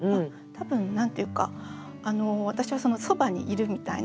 多分何て言うか私はそばにいるみたいな。